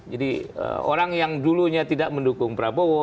jadi orang yang dulunya tidak mendukung prabowo